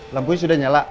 lampunya sudah nyala